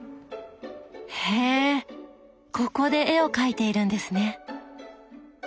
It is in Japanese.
へえここで絵を描いているんですね。